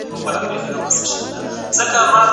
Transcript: دا وخت له هغه ښه دی!!